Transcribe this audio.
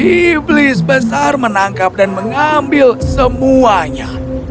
iblis besar menangkap dan mengambil semuanya